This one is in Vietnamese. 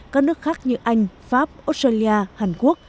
các nước khác như anh pháp australia hàn quốc